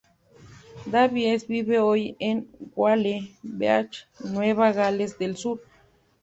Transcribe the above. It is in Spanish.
Davies vive hoy en Whale Beach, Nueva Gales del Sur.